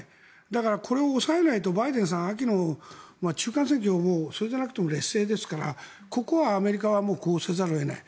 だから、これを抑えないとバイデンさんは秋の中間選挙それでなくても劣勢ですからここはもうアメリカはこうせざるを得ない。